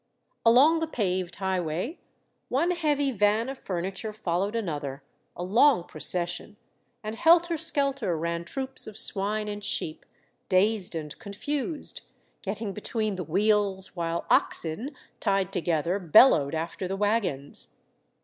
Along the paved highway, one heavy van of furniture fol lowed another, a long procession, and helter skelter ran troops of swine and sheep, dazed and con fused, getting between the wheels, while oxen, tied together, bellowed after the wagons.